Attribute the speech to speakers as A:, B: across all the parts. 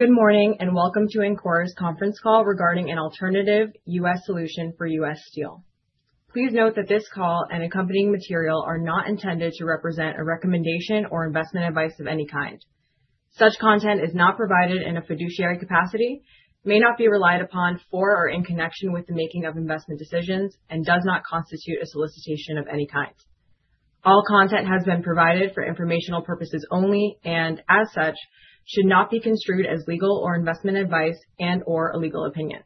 A: Good morning, and Welcome to Ancora's conference call regarding an alternative U.S. solution for U.S. Steel. Please note that this call and accompanying material are not intended to represent a recommendation or investment advice of any kind. Such content is not provided in a fiduciary capacity, may not be relied upon for or in connection with the making of investment decisions, and does not constitute a solicitation of any kind. All content has been provided for informational purposes only, and as such, should not be construed as legal or investment advice and/or a legal opinion.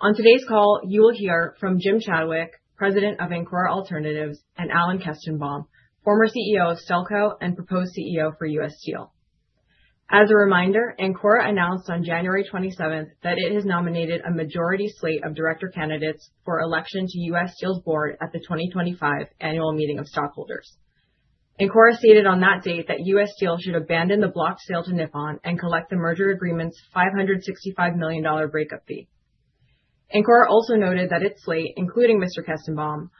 A: On today's call, you will hear from Jim Chadwick, President of Ancora Alternatives, and Alan Kestenbaum, former CEO of Stelco and proposed CEO for U.S. Steel. As a reminder, Ancora announced on January 27 that it has nominated a majority slate of director candidates for election to U.S. Steel's board at the 2025 annual meeting of stockholders. Ancora stated on that date that U.S. Steel should abandon the block sale to Nippon and collect the merger agreement's $565 million breakup fee. Ancora also noted that its slate, including Mr. Kestenbaum,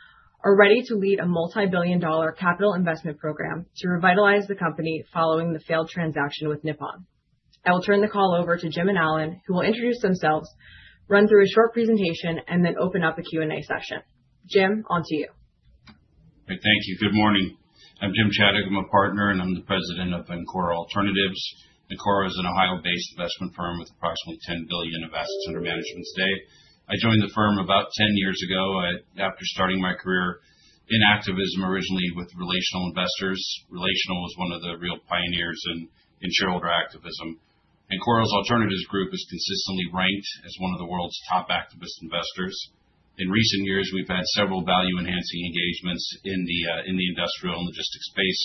A: are ready to lead a multi-billion dollar capital investment program to revitalize the company following the failed transaction with Nippon. I will turn the call over to Jim and Alan, who will introduce themselves, run through a short presentation, and then open up a Q&A session. Jim, on to you.
B: Great. Thank you. Good morning. I'm Jim Chadwick. I'm a partner, and I'm the President of Ancora Alternatives. Ancora is an Ohio-based investment firm with approximately $10 billion investments under management today. I joined the firm about 10 years ago after starting my career in activism, originally with Relational Investors. Relational was one of the real pioneers in shareholder activism. Ancora's Alternatives Group is consistently ranked as one of the world's top activist investors. In recent years, we've had several value-enhancing engagements in the industrial and logistics space.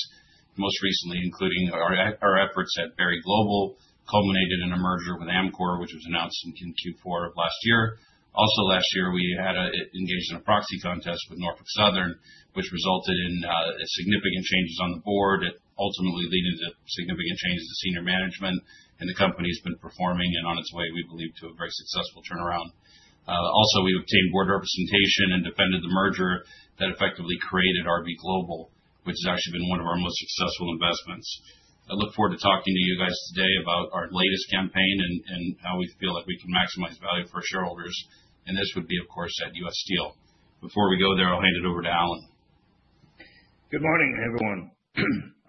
B: Most recently, including our efforts at Berry Global, culminated in a merger with Amcor, which was announced in Q4 of last year. Also last year, we had engaged in a proxy contest with Norfolk Southern, which resulted in significant changes on the board, ultimately leading to significant changes to senior management, and the company has been performing and on its way, we believe, to a very successful turnaround. Also, we obtained board representation and defended the merger that effectively created RB Global, which has actually been one of our most successful investments. I look forward to talking to you guys today about our latest campaign and how we feel like we can maximize value for shareholders, and this would be, of course, at U. S. Steel. Before we go there, I'll hand it over to Alan.
C: Good morning, everyone.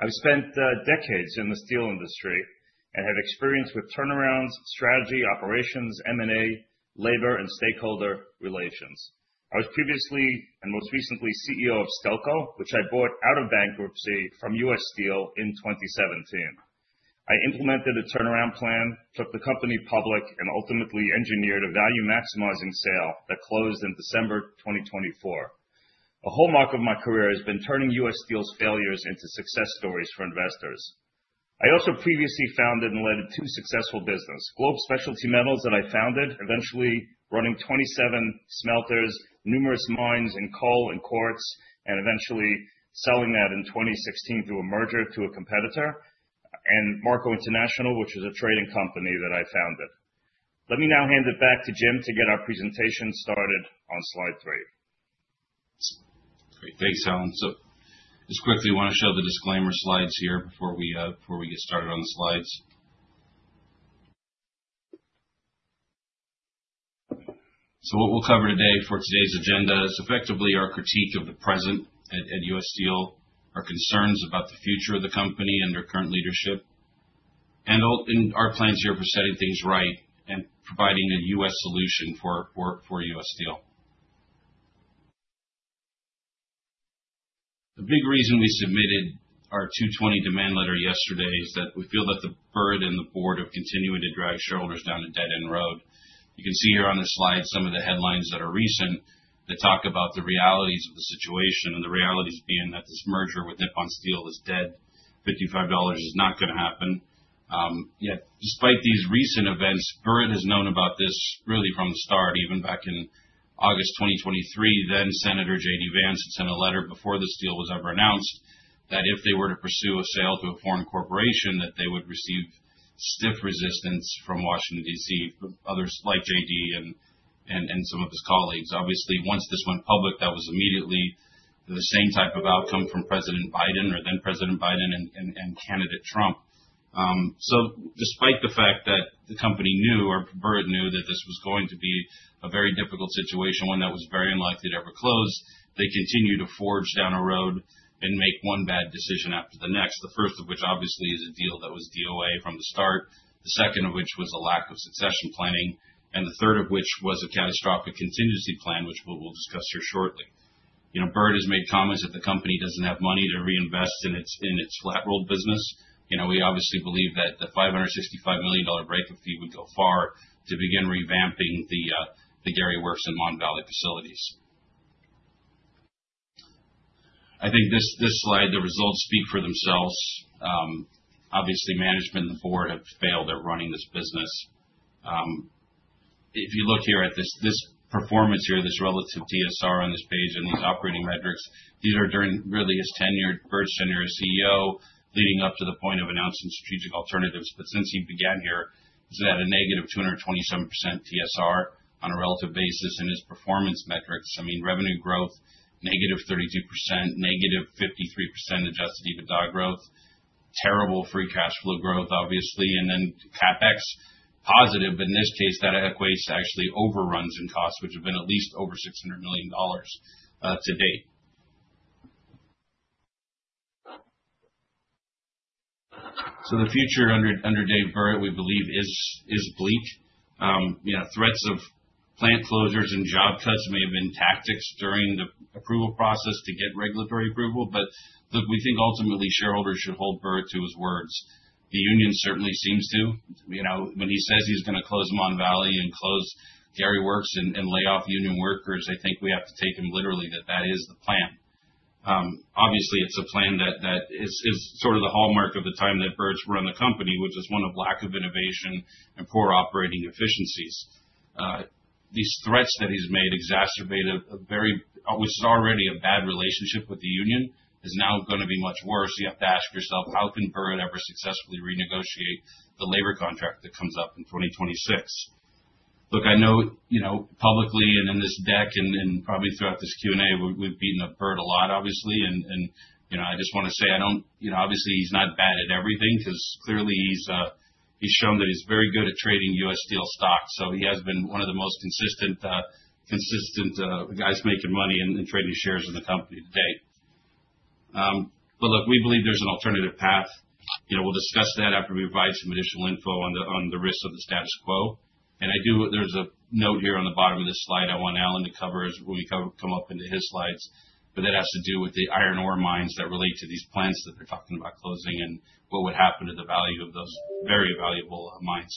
C: I've spent decades in the steel industry and have experience with turnarounds, strategy, operations, M&A, labor, and stakeholder relations. I was previously and most recently CEO of Stelco, which I bought out of bankruptcy from U. S. Steel in 2017. I implemented a turnaround plan, took the company public, and ultimately engineered a value-maximizing sale that closed in December 2024. A hallmark of my career has been turning U. S. Steel's failures into success stories for investors. I also previously founded and led two successful business. Globe Specialty Metals that I founded, eventually running 27 smelters, numerous mines in coal and quartz, and eventually selling that in 2016 through a merger to a competitor. Marco International, which is a trading company that I founded. Let me now hand it back to Jim to get our presentation started on slide three.
B: Great. Thanks, Alan. Just quickly, wanna show the disclaimer slides here before we get started on the slides. What we'll cover today for today's agenda is effectively our critique of the president at U.S. Steel, our concerns about the future of the company and their current leadership, and our plans here for setting things right and providing a U.S. solution for U.S. Steel. The big reason we submitted our 220 demand letter yesterday is that we feel that the Burritt and the board have continued to drive shareholders down a dead-end road. You can see here on this slide some of the headlines that are recent that talk about the realities of the situation, and the realities being that this merger with Nippon Steel is dead. $55 is not gonna happen. Yet despite these recent events, David B. Burritt has known about this really from the start, even back in August 2023. Senator JD Vance had sent a letter before this deal was ever announced that if they were to pursue a sale to a foreign corporation, that they would receive stiff resistance from Washington, D.C., from others like JD and some of his colleagues. Obviously, once this went public, that was immediately the same type of outcome from President Biden or then President Biden and Candidate Trump. Despite the fact that the company knew or David B. Burritt knew that this was going to be a very difficult situation, one that was very unlikely to ever close, they continued to forge down a road and make one bad decision after the next. The first of which obviously is a deal that was DOA from the start, the second of which was a lack of succession planning, and the third of which was a catastrophic contingency plan, which we will discuss here shortly. You know, Burritt has made comments that the company doesn't have money to reinvest in its flat roll business. You know, we obviously believe that the $565 million breakup fee would go far to begin revamping the Gary Works and Mon Valley facilities. I think this slide, the results speak for themselves. Obviously, management and the board have failed at running this business. If you look here at this performance here, this relative TSR on this page and these operating metrics, these are during really his tenure, Burritt's tenure as CEO, leading up to the point of announcing strategic alternatives. Since he began here, he's had a negative 227% TSR on a relative basis in his performance metrics. I mean, revenue growth, negative 32%, negative 53% adjusted EBITDA growth. Terrible free cash flow growth, obviously, and then CapEx positive. In this case, that equates to actually overruns and costs, which have been at least over $600 million to date. The future under Dave Burritt, we believe, is bleak. You know, threats of plant closures and job cuts may have been tactics during the approval process to get regulatory approval, but look, we think ultimately shareholders should hold Burritt to his words. The union certainly seems to. You know, when he says he's gonna close Mon Valley and close Gary Works and lay off union workers, I think we have to take him literally that that is the plan. Obviously, it's a plan that is sort of the hallmark of the time that Burritt's run the company, which is one of lack of innovation and poor operating efficiencies. These threats that he's made exacerbate what was already a bad relationship with the union, which is now gonna be much worse. You have to ask yourself, how can Burritt ever successfully renegotiate the labor contract that comes up in 2026? Look, I know you know, publicly and in this deck and probably throughout this Q&A, we've beaten up Burritt a lot, obviously. You know, I just wanna say I don't. You know, obviously he's not bad at everything, 'cause clearly he's shown that he's very good at trading U.S. Steel stocks. So he has been one of the most consistent guys making money in trading shares in the company to date. Look, we believe there's an alternative path. You know, we'll discuss that after we provide some additional info on the risks of the status quo. There's a note here on the bottom of this slide I want Alan to cover as we come up into his slides, but that has to do with the iron ore mines that relate to these plants that they're talking about closing and what would happen to the value of those very valuable mines.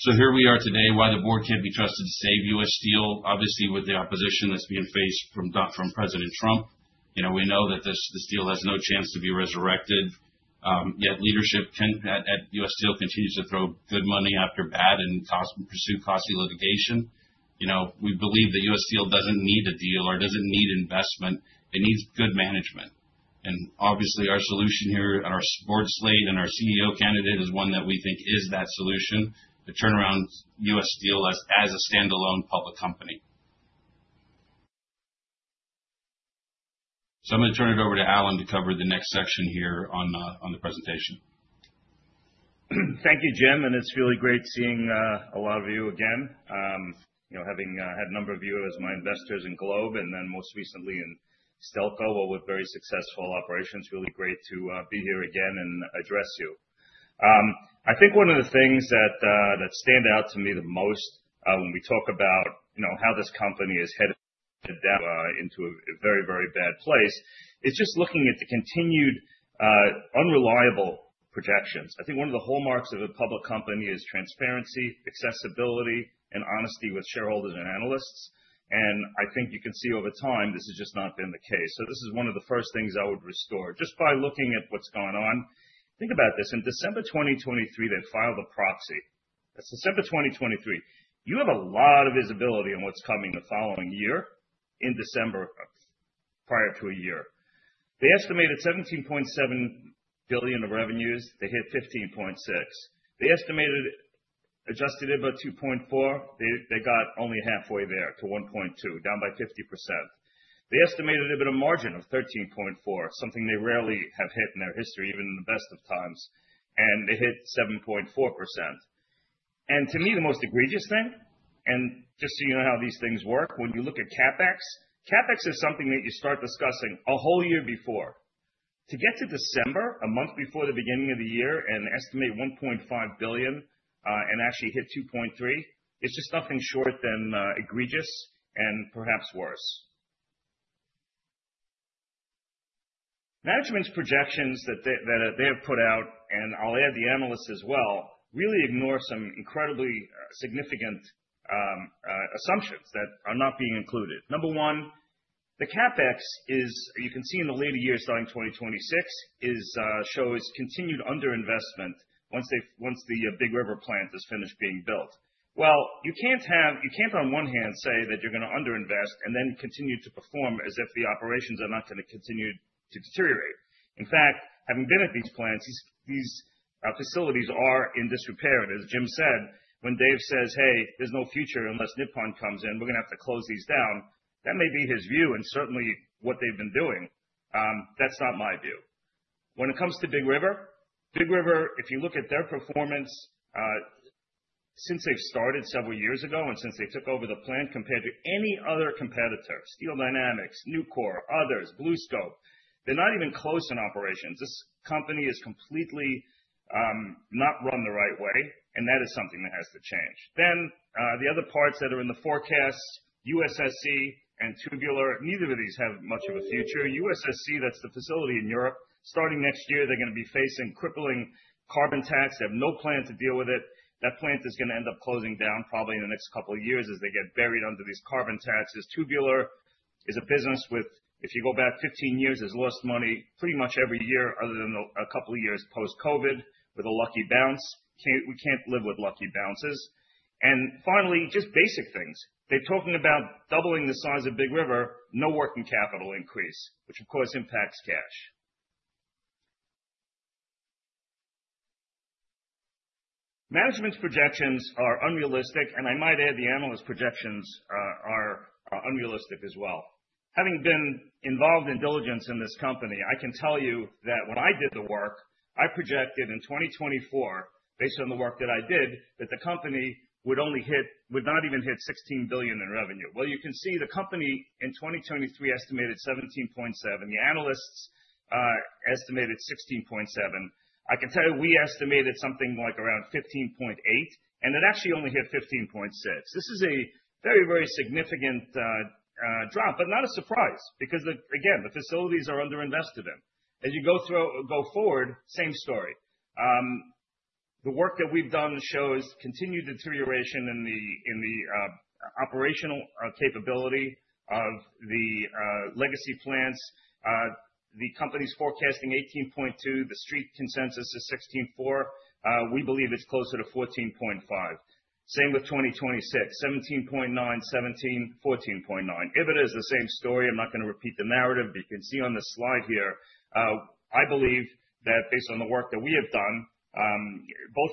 B: Here we are today, why the board can't be trusted to save U.S. Steel. Obviously, with the opposition that's being faced from President Trump, you know, we know that this deal has no chance to be resurrected. Yet leadership at U.S. Steel continues to throw good money after bad and to pursue costly litigation. You know, we believe that U.S. Steel doesn't need a deal or doesn't need investment, it needs good management. Obviously our solution here and our board slate and our CEO candidate is one that we think is that solution to turn around U.S. Steel as a standalone public company. I'm gonna turn it over to Alan Kestenbaum to cover the next section here on the presentation.
C: Thank you, Jim, and it's really great seeing a lot of you again. You know, having had a number of you as my investors in Globe and then most recently in Stelco, all with very successful operations. Really great to be here again and address you. I think one of the things that stand out to me the most, when we talk about, you know, how this company is headed down into a very, very bad place, is just looking at the continued unreliable projections. I think one of the hallmarks of a public company is transparency, accessibility, and honesty with shareholders and analysts. I think you can see over time this has just not been the case. This is one of the first things I would restore just by looking at what's gone on. Think about this. In December 2023, they filed a proxy. That's December 2023. You have a lot of visibility on what's coming the following year in December prior to a year. They estimated 17.7 billion of revenues. They hit 15.6%. They estimated adjusted EBITDA 2.4%. They got only halfway there to 1.25%, down by 50%. They estimated EBITDA margin of 13.4%, something they rarely have hit in their history, even in the best of times, and they hit 7.4%. To me, the most egregious thing, and just so you know how these things work, when you look at CapEx is something that you start discussing a whole year before. To get to December, a month before the beginning of the year, and estimate $1.5 billion and actually hit $2.3 billion, it's just nothing short of egregious and perhaps worse. Management's projections that they have put out, and I'll add the analysts as well, really ignore some incredibly significant assumptions that are not being included. Number one, the CapEx, you can see in the later years starting 2026, shows continued underinvestment once the Big River plant is finished being built. You can't on one hand say that you're gonna underinvest and then continue to perform as if the operations are not gonna continue to deteriorate. In fact, having been at these plants, these facilities are in disrepair. As Jim said, when Dave says, "Hey, there's no future unless Nippon comes in, we're gonna have to close these down," that may be his view and certainly what they've been doing, that's not my view. When it comes to Big River, if you look at their performance, since they've started several years ago and since they took over the plant, compared to any other competitor, Steel Dynamics, Nucor, others, BlueScope, they're not even close in operations. This company is completely not run the right way, and that is something that has to change. The other parts that are in the forecast, U.S. Steel Košice and Tubular, neither of these have much of a future. U.S. Steel Košice, that's the facility in Europe. Starting next year, they're gonna be facing crippling carbon tax. They have no plan to deal with it. That plant is gonna end up closing down probably in the next couple of years as they get buried under these carbon taxes. Tubular is a business with, if you go back 15 years, has lost money pretty much every year other than a couple of years post-COVID with a lucky bounce. We can't live with lucky bounces. Finally, just basic things. They're talking about doubling the size of Big River, no working capital increase, which of course impacts cash. Management's projections are unrealistic, and I might add the analyst projections are unrealistic as well. Having been involved in diligence in this company, I can tell you that when I did the work, I projected in 2024, based on the work that I did, that the company would not even hit $16 billion in revenue. Well, you can see the company in 2023 estimated 17.7. The analysts estimated 16.7. I can tell you we estimated something like around 15.8, and it actually only hit 15.6. This is a very, very significant drop, but not a surprise because again the facilities are under-invested in. As you go through, go forward, same story. The work that we've done shows continued deterioration in the operational capability of the legacy plants. The company's forecasting 18.2, the Street consensus is 16.4. We believe it's closer to 14.5. Same with 2026, 17.9, 17, 14.9. EBITDA is the same story. I'm not gonna repeat the narrative, but you can see on the slide here. I believe that based on the work that we have done, both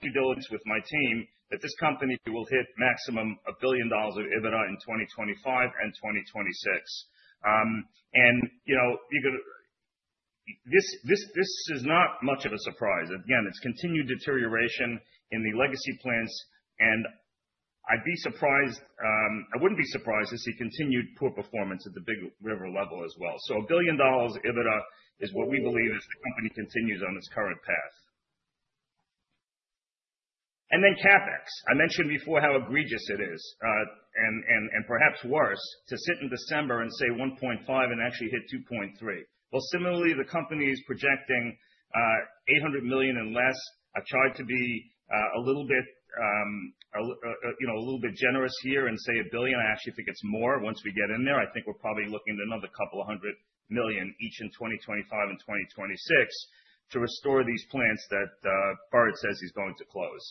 C: due diligence with my team, that this company will hit maximum $1 billion of EBITDA in 2025 and 2026. You know, this is not much of a surprise. It's continued deterioration in the legacy plants, and I'd be surprised, I wouldn't be surprised to see continued poor performance at the Big River level as well. A billion dollars EBITDA is what we believe if the company continues on its current path. CapEx, I mentioned before how egregious it is, and perhaps worse, to sit in December and say $1.5 billion and actually hit $2.3 billion. Well, similarly, the company is projecting $800 million or less. I tried to be a little bit, you know, a little bit generous here and say $1 billion. I actually think it's more once we get in there. I think we're probably looking at another couple of 100 million each in 2025 and 2026 to restore these plants that Burritt says he's going to close.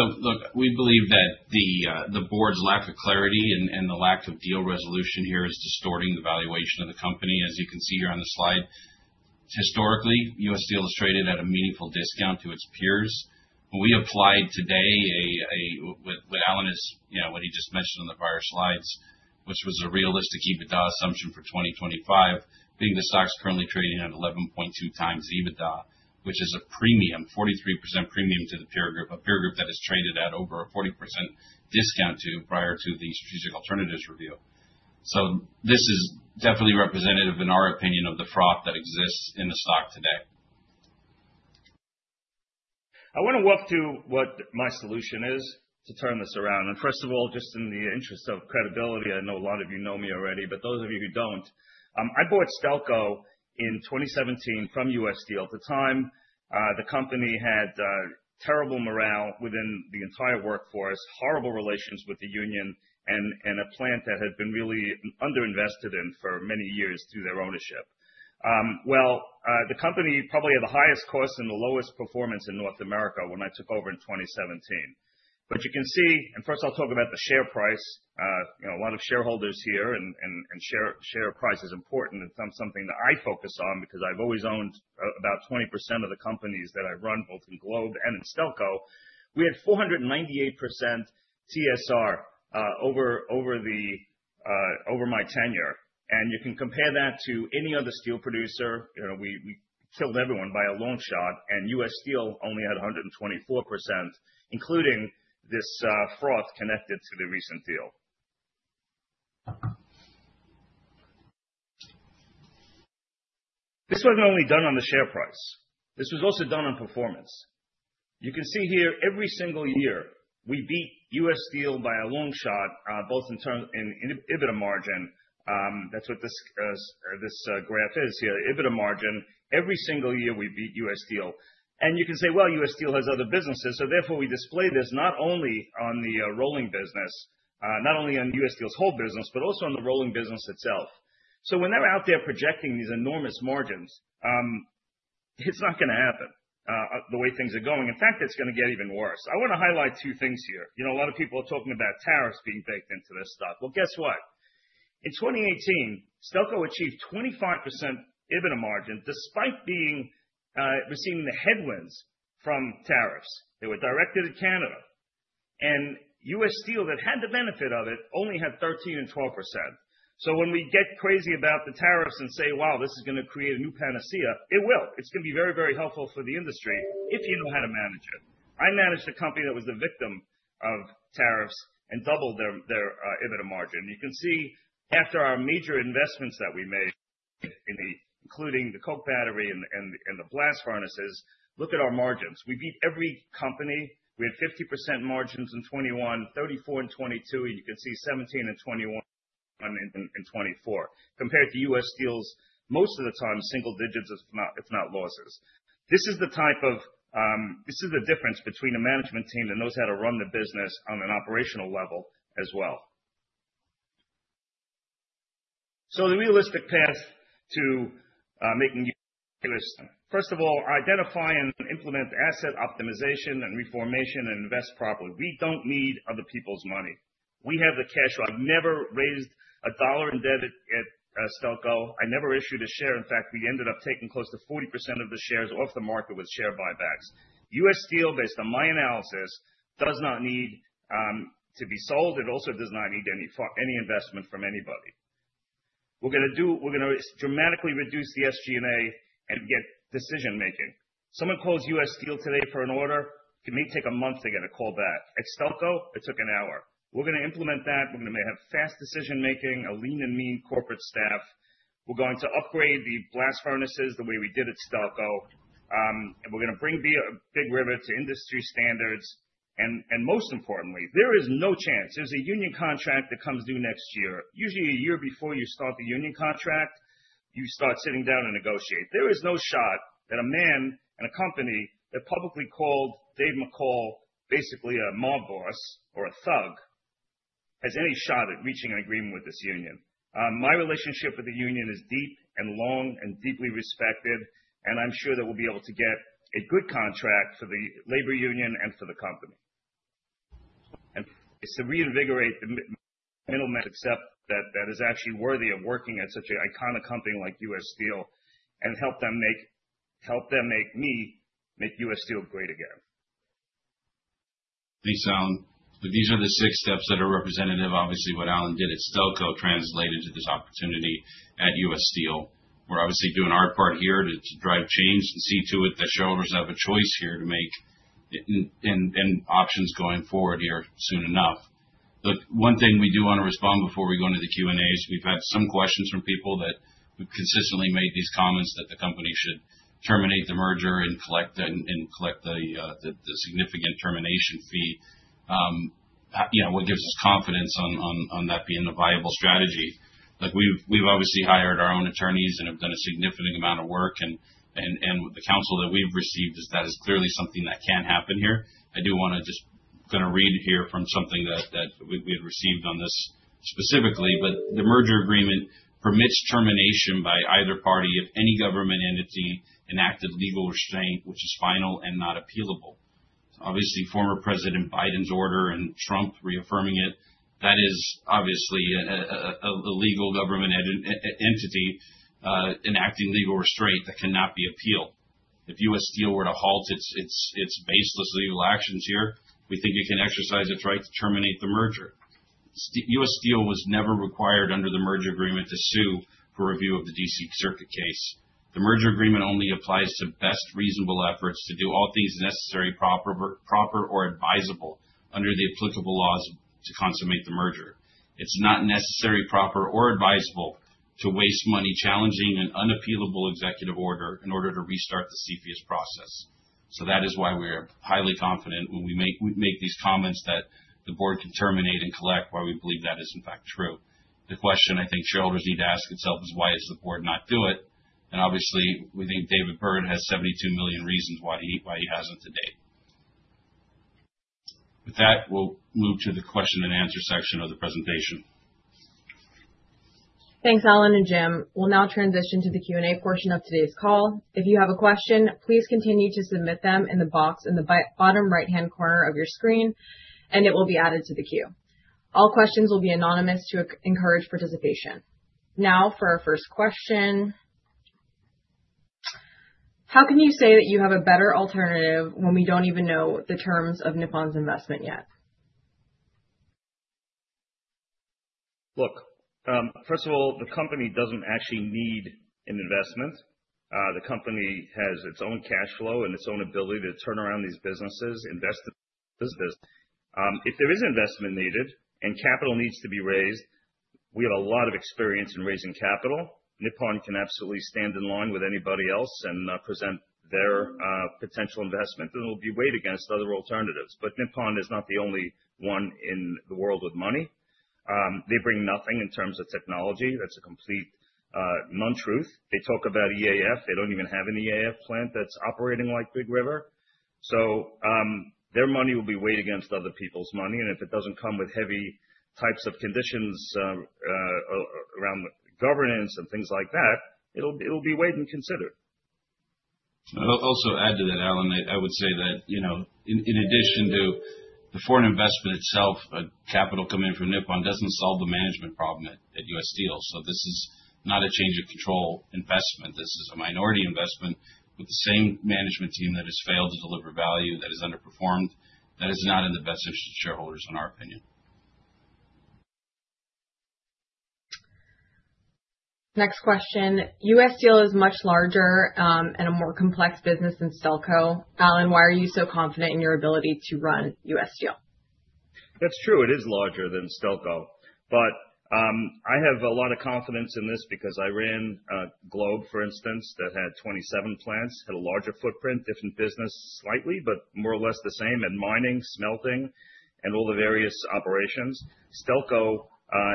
B: Look, we believe that the board's lack of clarity and the lack of deal resolution here is distorting the valuation of the company. As you can see here on the slide, historically, U.S. Steel has traded at a meaningful discount to its peers. We applied today with what Alan is, you know, what he just mentioned on the prior slides, which was a realistic EBITDA assumption for 2025, being the stock's currently trading at 11.2x EBITDA, which is a premium, 43% premium to the peer group. A peer group that has traded at over a 40% discount to prior to the strategic alternatives review. This is definitely representative, in our opinion, of the froth that exists in the stock today.
C: I wanna walk through what my solution is to turn this around. First of all, just in the interest of credibility, I know a lot of you know me already, but those of you who don't, I bought Stelco in 2017 from U.S. Steel. At the time, the company had terrible morale within the entire workforce, horrible relations with the union and a plant that had been really under-invested in for many years through their ownership. Well, the company probably had the highest cost and the lowest performance in North America when I took over in 2017. You can see, and first I'll talk about the share price. You know, a lot of shareholders here and share price is important. It's something that I focus on because I've always owned about 20% of the companies that I run, both in Globe and in Stelco. We had 498% TSR over my tenure. You can compare that to any other steel producer. We killed everyone by a long shot, and U.S. Steel only had 124%, including this froth connected to the recent deal. This wasn't only done on the share price. This was also done on performance. You can see here every single year, we beat U.S. Steel by a long shot, both in terms of EBITDA margin. That's what this graph is here, EBITDA margin. Every single year, we beat U.S. Steel. You can say, "Well, U.S. Steel has other businesses." Therefore, we display this not only on the rolling business, not only on U.S. Steel's whole business, but also on the rolling business itself. When they're out there projecting these enormous margins, it's not gonna happen the way things are going. In fact, it's gonna get even worse. I wanna highlight two things here. You know, a lot of people are talking about tariffs being baked into this stock. Well, guess what? In 2018, Stelco achieved 25% EBITDA margin despite receiving the headwinds from tariffs. They were directed at Canada. U.S. Steel that had the benefit of it only had 13% and 12%. When we get crazy about the tariffs and say, "Wow, this is gonna create a new panacea," it will. It's gonna be very, very helpful for the industry if you know how to manage it. I managed a company that was the victim of tariffs and doubled their EBITDA margin. You can see after our major investments that we made, including the coke battery and the blast furnaces, look at our margins. We beat every company. We had 50% margins in 2021, 34% in 2022, and you can see 17% in 2021, and 2024. Compared to U.S. Steel's most of the time single digits, if not losses. This is the type of this is the difference between a management team that knows how to run the business on an operational level as well. The realistic path to making First of all, identify and implement asset optimization and reformation and invest properly. We don't need other people's money. We have the cash flow. I've never raised a dollar in debt at Stelco. I never issued a share. In fact, we ended up taking close to 40% of the shares off the market with share buybacks. U. S. Steel, based on my analysis, does not need to be sold. It also does not need any investment from anybody. We're gonna dramatically reduce the SG&A and get decision-making. Someone calls U. S. Steel today for an order, it may take a month to get a call back. At Stelco, it took an hour. We're gonna implement that. We're gonna have fast decision-making, a lean and mean corporate staff. We're going to upgrade the blast furnaces the way we did at Stelco. We're gonna bring Big River to industry standards. Most importantly, there is no chance. There's a union contract that comes due next year. Usually a year before you start the union contract, you start sitting down and negotiate. There is no shot that a man and a company that publicly called Dave McCall basically a mob boss or a thug has any shot at reaching an agreement with this union. My relationship with the union is deep and long and deeply respected, and I'm sure that we'll be able to get a good contract for the labor union and for the company. It is to reinvigorate the middle management that is actually worthy of working at such an iconic company like U.S. Steel and help them make U.S. Steel great again.
B: Thanks, Alan. These are the six steps that are representative. Obviously, what Alan did at Stelco translated to this opportunity at U.S. Steel. We're obviously doing our part here to drive change and see to it that shareholders have a choice here to make, and options going forward here soon enough. The one thing we do wanna respond before we go into the Q&A is we've had some questions from people that have consistently made these comments that the company should terminate the merger and collect the significant termination fee. You know, what gives us confidence on that being a viable strategy. Look, we've obviously hired our own attorneys and have done a significant amount of work and the counsel that we've received is that is clearly something that can happen here. I do wanna just gonna read here from something that we had received on this specifically. The merger agreement permits termination by either party if any government entity enacted legal restraint, which is final and not appealable. Obviously, former President Biden's order and Trump reaffirming it, that is obviously a legal government entity enacting legal restraint that cannot be appealed. If U.S. Steel were to halt its baseless legal actions here, we think it can exercise its right to terminate the merger. U.S. Steel was never required under the merger agreement to sue for review of the D.C. Circuit case. The merger agreement only applies to best reasonable efforts to do all things necessary, proper or advisable under the applicable laws to consummate the merger. It's not necessary, proper or advisable to waste money challenging an unappealable executive order in order to restart the CFIUS process. That is why we are highly confident when we make these comments that the board can terminate and collect. Why we believe that is in fact true. The question I think shareholders need to ask themselves is why does the board not do it? Obviously we think David B. Burritt has $72 million reasons why he hasn't to date. With that, we'll move to the question and answer section of the presentation.
A: Thanks, Alan and Jim. We'll now transition to the Q&A portion of today's call. If you have a question, please continue to submit them in the box in the bottom right-hand corner of your screen, and it will be added to the queue. All questions will be anonymous to encourage participation. Now for our first question. "How can you say that you have a better alternative when we don't even know the terms of Nippon's investment yet?"
C: Look, first of all, the company doesn't actually need an investment. The company has its own cash flow and its own ability to turn around these businesses, invest in business. If there is investment needed and capital needs to be raised, we have a lot of experience in raising capital. Nippon can absolutely stand in line with anybody else and present their potential investment, and it'll be weighed against other alternatives. Nippon is not the only one in the world with money. They bring nothing in terms of technology. That's a complete non-truth. They talk about EAF. They don't even have an EAF plant that's operating like Big River. Their money will be weighed against other people's money, and if it doesn't come with heavy types of conditions, around governance and things like that, it'll be weighed and considered.
B: I'll also add to that, Alan. I would say that, you know, in addition to the foreign investment itself, capital coming in from Nippon doesn't solve the management problem at U.S. Steel. This is not a change of control investment. This is a minority investment with the same management team that has failed to deliver value, that has underperformed. That is not in the best interest of shareholders, in our opinion.
A: Next question. "U.S. Steel is much larger and a more complex business than Stelco. Alan, why are you so confident in your ability to run U.S. Steel?"
C: That's true. It is larger than Stelco. I have a lot of confidence in this because I ran Globe for instance that had 27 plants, had a larger footprint, different business slightly, but more or less the same in mining, smelting and all the various operations. Stelco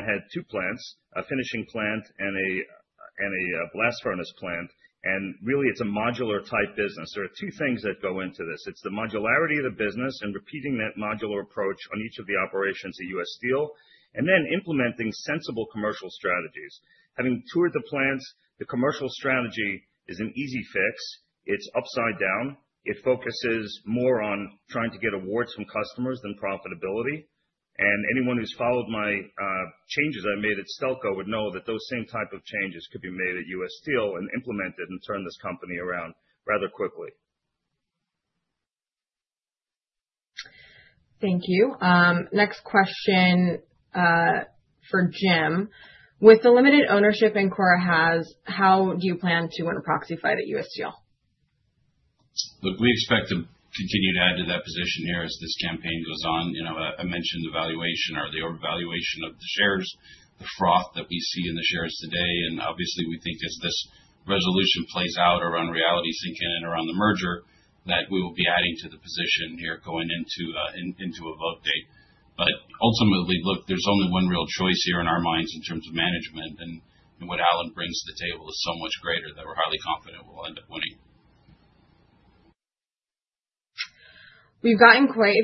C: had two plants, a finishing plant and a blast furnace plant. Really it's a modular type business. There are two things that go into this. It's the modularity of the business and repeating that modular approach on each of the operations at US Steel, and then implementing sensible commercial strategies. Having toured the plants, the commercial strategy is an easy fix. It's upside down. It focuses more on trying to get awards from customers than profitability. Anyone who's followed my changes I made at Stelco would know that those same type of changes could be made at U.S. Steel and implemented and turn this company around rather quickly.
A: Thank you. Next question, for Jim." With the limited ownership Ancora has, how do you plan to win a proxy fight at U.S. Steel?"
B: Look, we expect to continue to add to that position here as this campaign goes on. You know, I mentioned the valuation or the overvaluation of the shares, the froth that we see in the shares today, and obviously we think as this resolution plays out around reality sinking in around the merger, that we will be adding to the position here going into a vote date. Ultimately, look, there's only one real choice here in our minds in terms of management, and what Alan brings to the table is so much greater that we're highly confident we'll end up winning.
A: We've gotten quite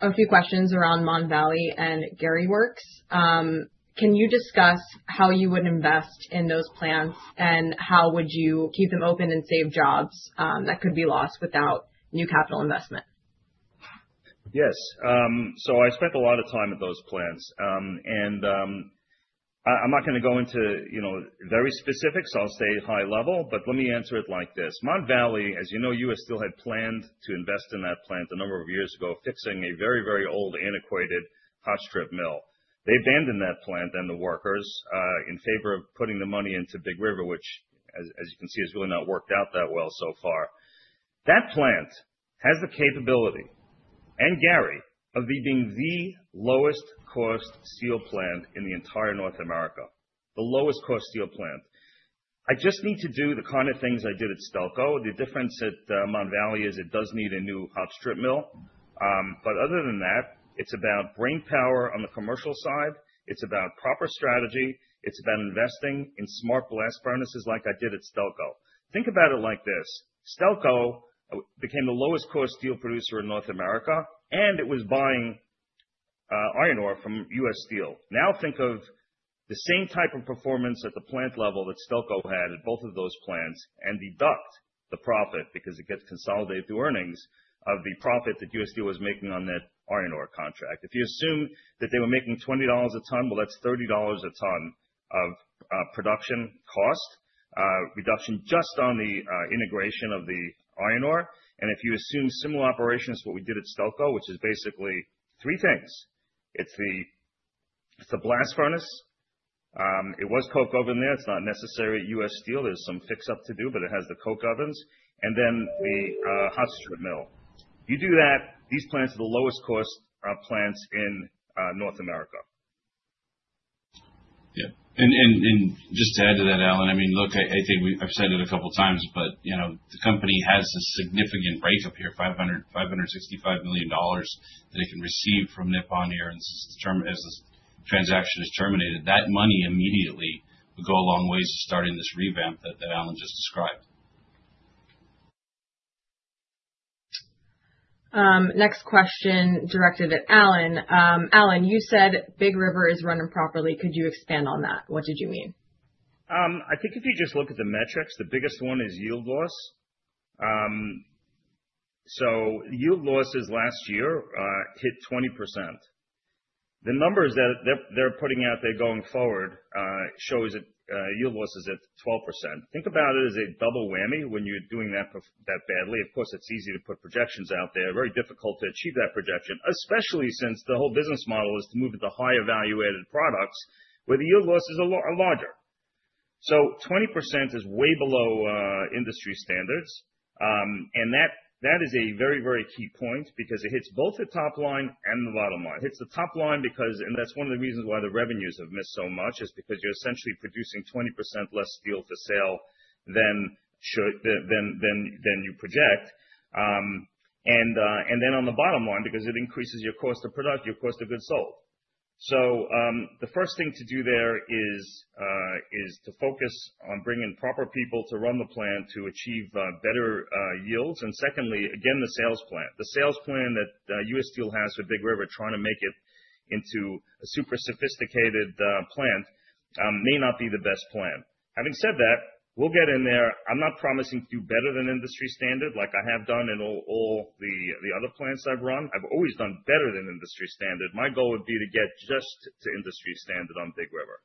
A: a few questions around Mon Valley and Gary Works. "Can you discuss how you would invest in those plants, and how would you keep them open and save jobs that could be lost without new capital investment?"
C: Yes. I spent a lot of time at those plants. I'm not gonna go into, you know, very specific, so I'll stay high level, but let me answer it like this. Mon Valley, as you know, U. S. Steel had planned to invest in that plant a number of years ago, fixing a very, very old, antiquated hot strip mill. They abandoned that plant and the workers in favor of putting the money into Big River, which, as you can see, has really not worked out that well so far. That plant has the capability, and Gary, of being the lowest cost steel plant in the entire North America, the lowest cost steel plant. I just need to do the kind of things I did at Stelco. The difference at Mon Valley is it does need a new hot strip mill. Other than that, it's about brainpower on the commercial side. It's about proper strategy. It's about investing in smart blast furnaces like I did at Stelco. Think about it like this. Stelco became the lowest cost steel producer in North America, and it was buying iron ore from U.S. Steel. Now think of the same type of performance at the plant level that Stelco had at both of those plants and deduct the profit because it gets consolidated through earnings of the profit that U.S. Steel was making on that iron ore contract. If you assume that they were making $20 a ton, well, that's $30 a ton of production cost reduction just on the integration of the iron ore. If you assume similar operations to what we did at Stelco, which is basically three things. It's the blast furnace. It was coke oven there. It's not necessary at U. S. Steel. There's some fix up to do, but it has the coke ovens. Then the hot strip mill. You do that, these plants are the lowest cost plants in North America.
B: Just to add to that, Alan, I mean, look, I think we've said it a couple times, but, you know, the company has a significant breakup here, $565 million that it can receive from Nippon here as the terms of this transaction is terminated. That money immediately will go a long ways to starting this revamp that Alan just described.
A: Next question directed at Alan. "Alan, you said Big River is run improperly. Could you expand on that? What did you mean?"
C: I think if you just look at the metrics, the biggest one is yield loss. Yield losses last year hit 20%. The numbers that they're putting out there going forward shows it, yield loss is at 12%. Think about it as a double whammy when you're doing that badly. Of course, it's easy to put projections out there. Very difficult to achieve that projection, especially since the whole business model is to move to the higher value-added products where the yield losses are larger. 20% is way below industry standards, and that is a very key point because it hits both the top line and the bottom line. It hits the top line because, and that's one of the reasons why the revenues have missed so much, is because you're essentially producing 20% less steel for sale than you project. Then on the bottom line, because it increases your cost to product, your cost of goods sold. The first thing to do there is to focus on bringing proper people to run the plant to achieve better yields. Secondly, again, the sales plan. The sales plan that U.S. Steel has for Big River, trying to make it into a super sophisticated plant, may not be the best plan. Having said that, we'll get in there. I'm not promising to do better than industry standard like I have done in all the other plants I've run. I've always done better than industry standard. My goal would be to get just to industry standard on Big River.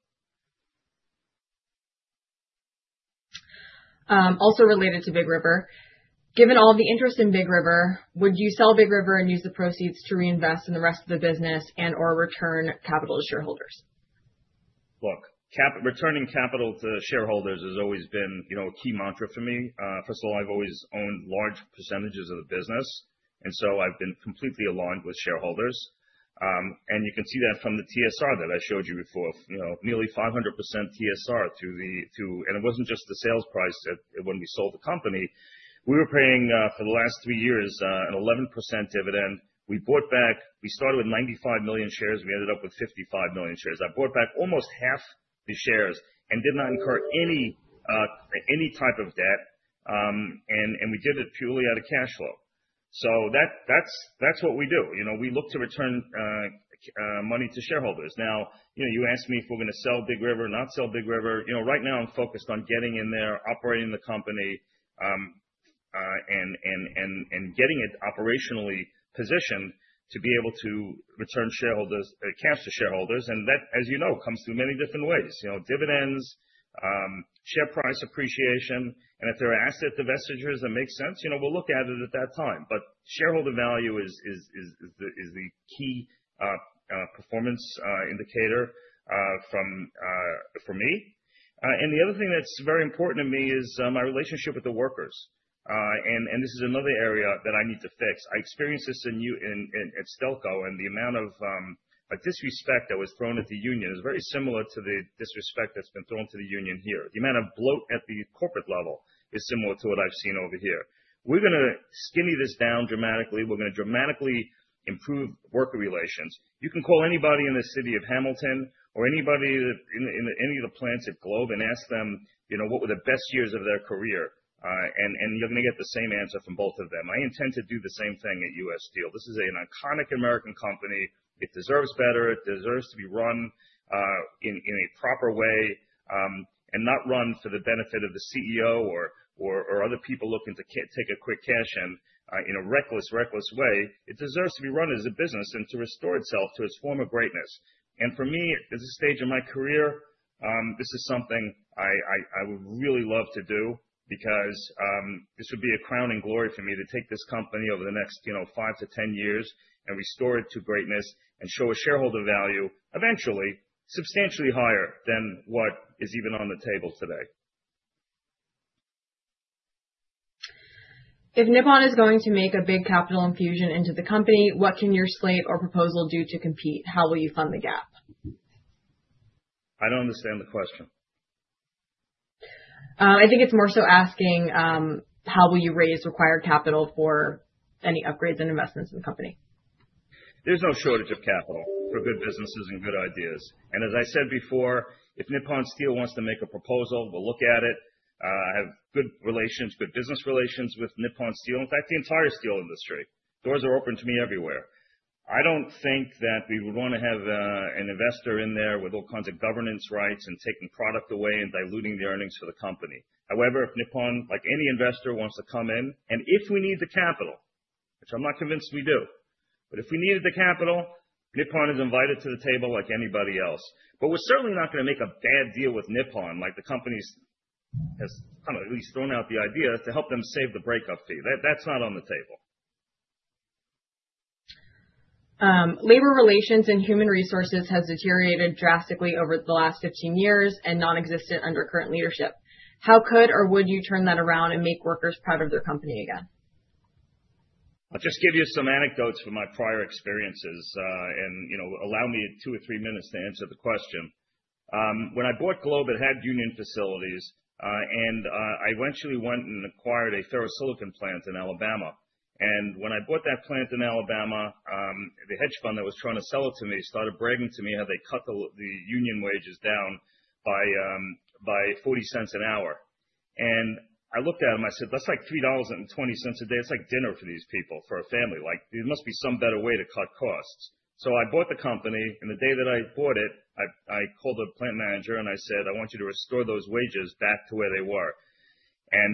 A: Also related to Big River." Given all the interest in Big River, would you sell Big River and use the proceeds to reinvest in the rest of the business and/or return capital to shareholders?"
C: Look, returning capital to shareholders has always been, you know, a key mantra for me. First of all, I've always owned large percentages of the business, and so I've been completely aligned with shareholders. You can see that from the TSR that I showed you before, you know, nearly 500% TSR through. It wasn't just the sales price at, when we sold the company. We were paying, for the last three years, an 11% dividend. We bought back. We started with 95 million shares. We ended up with 55 million shares. I bought back almost half the shares and did not incur any type of debt. We did it purely out of cash flow. That, that's what we do. You know, we look to return money to shareholders. Now, you know, you asked me if we're gonna sell Big River or not sell Big River. You know, right now I'm focused on getting in there, operating the company, and getting it operationally positioned to be able to return capital to shareholders. That, as you know, comes through many different ways. You know, dividends, share price appreciation, and if there are asset divestitures that make sense, you know, we'll look at it at that time. Shareholder value is the key performance indicator for me. The other thing that's very important to me is my relationship with the workers. This is another area that I need to fix. I experienced this at Stelco, and the amount of disrespect that was thrown at the union is very similar to the disrespect that's been thrown to the union here. The amount of bloat at the corporate level is similar to what I've seen over here. We're gonna skinny this down dramatically. We're gonna dramatically improve worker relations. You can call anybody in the city of Hamilton or anybody in any of the plants at Globe and ask them, you know, what were the best years of their career? You're gonna get the same answer from both of them. I intend to do the same thing at U.S. Steel. This is an iconic American company. It deserves better. It deserves to be run in a proper way and not run for the benefit of the CEO or other people looking to take a quick cash-in in a reckless way. It deserves to be run as a business and to restore itself to its former greatness. For me, at this stage in my career, this is something I would really love to do because this would be a crowning glory for me to take this company over the next five-10 years and restore it to greatness and show a shareholder value eventually substantially higher than what is even on the table today.
A: "If Nippon is going to make a big capital infusion into the company, what can your slate or proposal do to compete? How will you fund the gap?"
C: I don't understand the question.
A: I think it's more so asking, how will you raise required capital for any upgrades and investments in the company?
C: There's no shortage of capital for good businesses and good ideas. As I said before, if Nippon Steel wants to make a proposal, we'll look at it. I have good relations, good business relations with Nippon Steel. In fact, the entire steel industry. Doors are open to me everywhere. I don't think that we would wanna have an investor in there with all kinds of governance rights and taking product away and diluting the earnings for the company. However, if Nippon, like any investor, wants to come in, and if we need the capital, which I'm not convinced we do, but if we needed the capital, Nippon is invited to the table like anybody else. We're certainly not gonna make a bad deal with Nippon, like the company has kind of at least thrown out the idea to help them save the breakup fee. That, that's not on the table.
A: Labor relations and human resources has deteriorated drastically over the last 15 years and nonexistent under current leadership. "How could or would you turn that around and make workers proud of their company again?"
C: I'll just give you some anecdotes from my prior experiences, and, you know, allow me two or three minutes to answer the question. When I bought Globe, it had union facilities, and I eventually went and acquired a ferrosilicon plant in Alabama. When I bought that plant in Alabama, the hedge fund that was trying to sell it to me started bragging to me how they cut the union wages down by $0.40 an hour. I looked at him, I said, "That's like $3.20 a day. It's like dinner for these people, for a family. Like, there must be some better way to cut costs." I bought the company, and the day that I bought it, I called the plant manager and I said, "I want you to restore those wages back to where they were."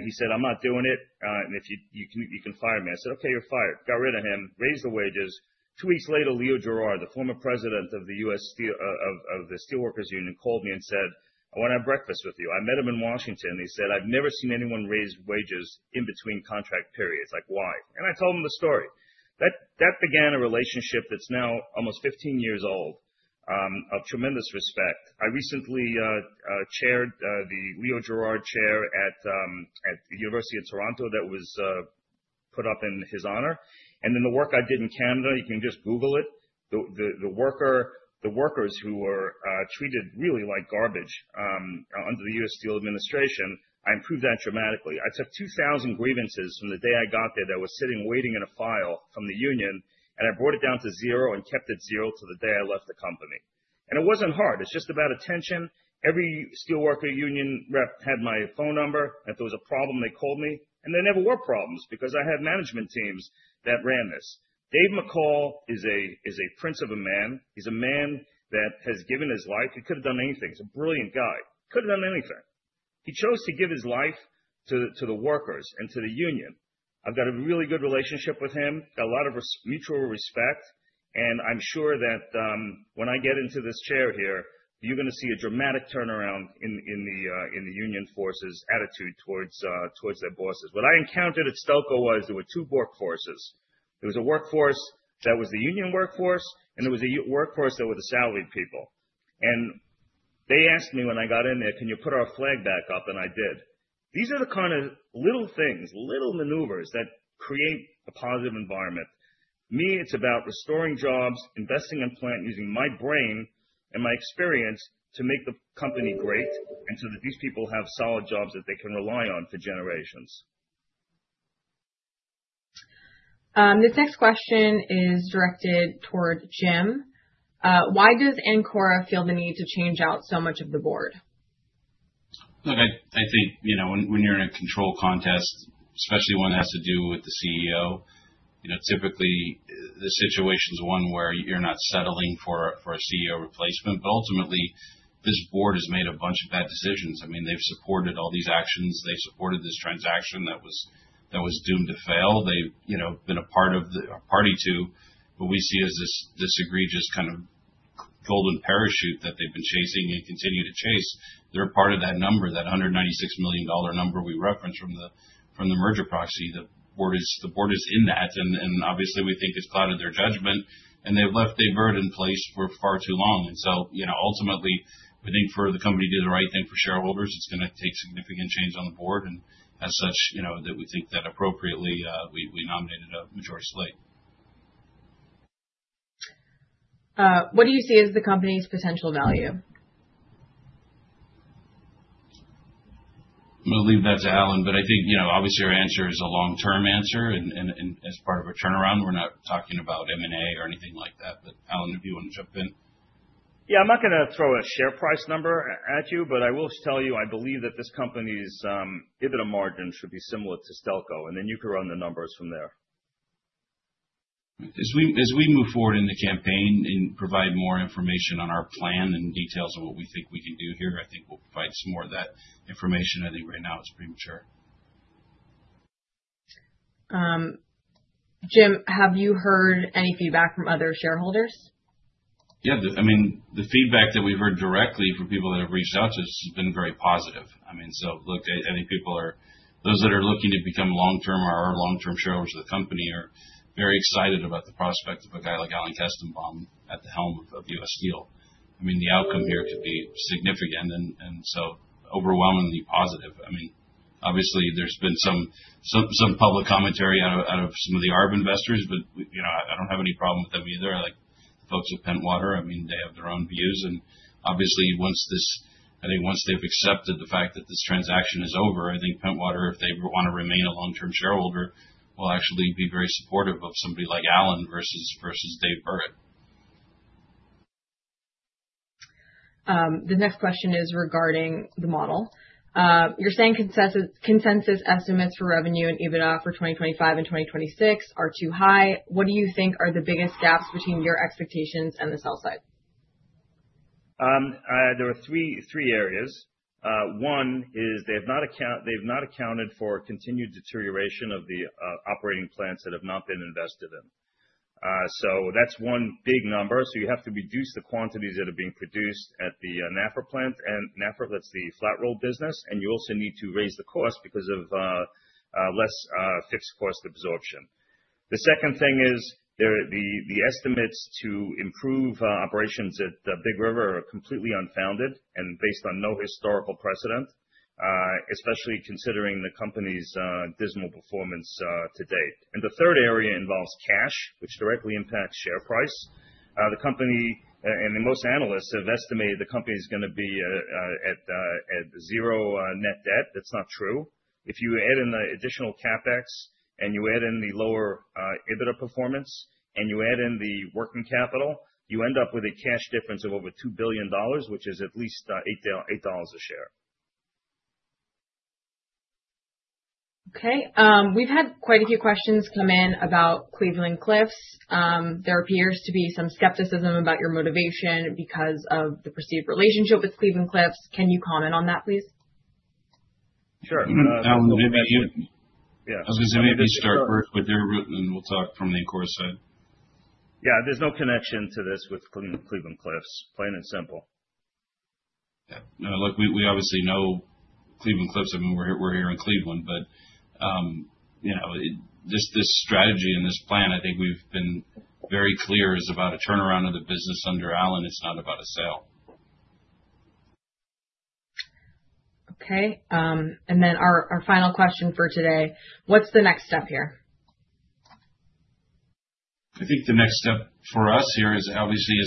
C: He said, "I'm not doing it, and if you can fire me." I said, "Okay, you're fired." Got rid of him, raised the wages. Two weeks later, Leo Gerard, Former International President, United Steelworkers, called me and said, "I wanna have breakfast with you." I met him in Washington, and he said, "I've never seen anyone raise wages in between contract periods. Like, why?" I told him the story. That began a relationship that's now almost 15 years old, of tremendous respect. I recently chaired the Leo Gerard Chair at the University of Toronto that was put up in his honor. Then the work I did in Canada, you can just Google it. The workers who were treated really like garbage under the U.S. Steel administration, I improved that dramatically. I took 2,000 grievances from the day I got there that were sitting waiting in a file from the union, and I brought it down to zero and kept it zero till the day I left the company. It wasn't hard. It's just about attention. Every steelworker union rep had my phone number. If there was a problem, they called me, and there never were problems because I had management teams that ran this. David McCall is a prince of a man. He's a man that has given his life. He could have done anything. He's a brilliant guy. Could have done anything. He chose to give his life to the workers and to the union. I've got a really good relationship with him, got a lot of mutual respect, and I'm sure that when I get into this chair here, you're gonna see a dramatic turnaround in the union force's attitude towards their bosses. What I encountered at Stelco was there were two workforces. There was a workforce that was the union workforce, and there was a non-union workforce that were the salaried people. They asked me when I got in there, "Can you put our flag back up?" I did. These are the kind of little things, little maneuvers that create a positive environment. It's about restoring jobs, investing in plant, using my brain and my experience to make the company great and so that these people have solid jobs that they can rely on for generations.
A: This next question is directed toward Jim. "Why does Ancora feel the need to change out so much of the board?"
B: Look, I think, you know, when you're in a control contest, especially one that has to do with the CEO. You know, typically the situation's one where you're not settling for a CEO replacement. Ultimately, this board has made a bunch of bad decisions. I mean, they've supported all these actions. They supported this transaction that was doomed to fail. They've, you know, been a part of, a party to what we see as this egregious kind of golden parachute that they've been chasing and continue to chase. They're part of that number, that $196 million number we referenced from the merger proxy. The board is in that, and obviously we think it's clouded their judgment, and they've left Dave Burritt in place for far too long. You know, ultimately, I think for the company to do the right thing for shareholders, it's gonna take significant change on the board. You know, that we think that appropriately, we nominated a majority slate.
A: What do you see as the company's potential value?
B: I'm gonna leave that to Alan, but I think, you know, obviously our answer is a long-term answer and as part of a turnaround, we're not talking about M&A or anything like that. Alan, if you wanna jump in.
C: Yeah, I'm not gonna throw a share price number at you, but I will tell you, I believe that this company's EBITDA margin should be similar to Stelco, and then you can run the numbers from there.
B: As we move forward in the campaign and provide more information on our plan and details on what we think we can do here, I think we'll provide some more of that information. I think right now it's premature.
A: Jim, have you heard any feedback from other shareholders?
B: Yeah, I mean, the feedback that we've heard directly from people that have reached out to us has been very positive. I mean, so look, I think those that are looking to become long-term or are long-term shareholders of the company are very excited about the prospect of a guy like Alan Kestenbaum at the helm of U.S. Steel. I mean, the outcome here could be significant and so overwhelmingly positive. I mean, obviously there's been some public commentary out of some of the arb investors, but you know, I don't have any problem with them either. Like, the folks at Pentwater, I mean, they have their own views, and obviously, I think once they've accepted the fact that this transaction is over, I think Pentwater, if they wanna remain a long-term shareholder, will actually be very supportive of somebody like Alan versus Dave Burritt.
A: The next question is regarding the model. "You're saying consensus estimates for revenue and EBITDA for 2025 and 2026 are too high. What do you think are the biggest gaps between your expectations and the sell side?"
C: There are three areas. One is they have not accounted for continued deterioration of the operating plants that have not been invested in. That's one big number. You have to reduce the quantities that are being produced at the NAFR plant. NAFR, that's the flat roll business, and you also need to raise the cost because of less fixed cost absorption. The second thing is the estimates to improve operations at Big River are completely unfounded and based on no historical precedent, especially considering the company's dismal performance to date. The third area involves cash, which directly impacts share price. The company and most analysts have estimated the company's gonna be at zero net debt. That's not true. If you add in the additional CapEx, and you add in the lower EBITDA performance, and you add in the working capital, you end up with a cash difference of over $2 billion, which is at least $8 a share.
A: Okay. We've had quite a few questions come in about Cleveland-Cliffs. "There appears to be some skepticism about your motivation because of the perceived relationship with Cleveland-Cliffs. Can you comment on that, please?"
C: Sure.
B: Alan, maybe you
C: Yeah.
B: I was gonna maybe start first with your route, and then we'll talk from the Ancora side.
C: Yeah, there's no connection to this with Cleveland-Cliffs, plain and simple.
B: Yeah. No, look, we obviously know Cleveland-Cliffs. I mean, we're here in Cleveland, but, you know, this strategy and this plan, I think we've been very clear, is about a turnaround of the business under Alan. It's not about a sale.
A: Okay. Our final question for today, what's the next step here?
B: I think the next step for us here is obviously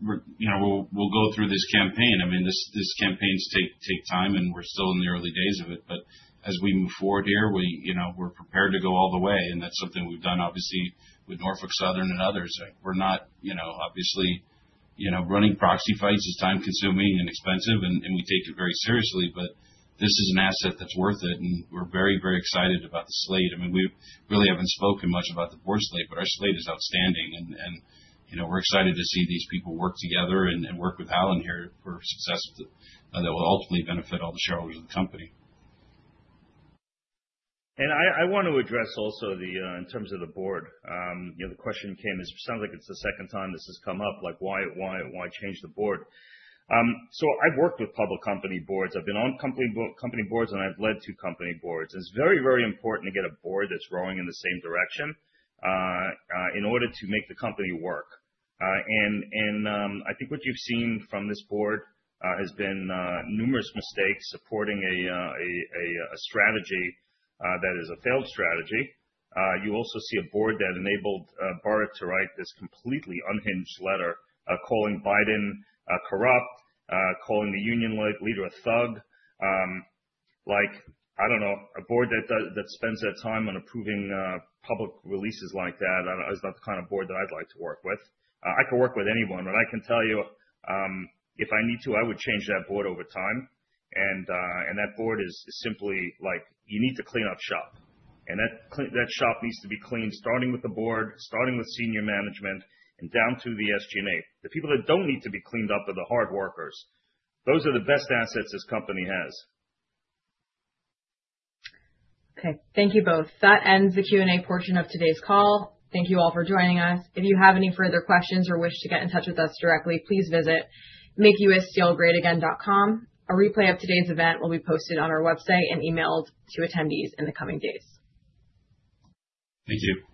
B: we're, you know, we'll go through this campaign. I mean, this campaign takes time, and we're still in the early days of it. As we move forward here, we, you know, we're prepared to go all the way, and that's something we've done obviously with Norfolk Southern and others. We're not, you know, obviously, you know, running proxy fights is time-consuming and expensive, and we take it very seriously. This is an asset that's worth it, and we're very, very excited about the slate. I mean, we really haven't spoken much about the board slate, but our slate is outstanding, and, you know, we're excited to see these people work together and work with Alan here for success that will ultimately benefit all the shareholders of the company.
C: I want to address also, in terms of the board. You know, the question came, it sounds like it's the second time this has come up, like, why change the board? I've worked with public company boards. I've been on company boards, and I've led two company boards. It's very, very important to get a board that's rowing in the same direction in order to make the company work. I think what you've seen from this board has been numerous mistakes supporting a strategy that is a failed strategy. You also see a board that enabled Burritt to write this completely unhinged letter calling Biden corrupt, calling the union leader a thug. Like, I don't know, a board that spends their time on approving public releases like that is not the kind of board that I'd like to work with. I can work with anyone, but I can tell you, if I need to, I would change that board over time. That board is simply like you need to clean up shop. That shop needs to be cleaned, starting with the board, starting with senior management, and down to the SG&A. The people that don't need to be cleaned up are the hard workers. Those are the best assets this company has.
A: Okay. Thank you both. That ends the Q&A portion of today's call. Thank you all for joining us. If you have any further questions or wish to get in touch with us directly, please visit makeussteelgreatagain.com. A replay of today's event will be posted on our website and emailed to attendees in the coming days.
B: Thank you.